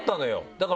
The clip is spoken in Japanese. だから。